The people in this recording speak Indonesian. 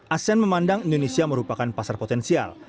asean memandang indonesia merupakan pasar potensial